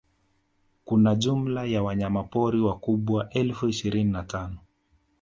kuna jumla ya wanyamapori wakubwa elfu ishirini na tano